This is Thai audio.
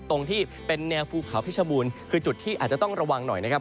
ตรงที่เป็นแนวภูเขาเพชรบูรณ์คือจุดที่อาจจะต้องระวังหน่อยนะครับ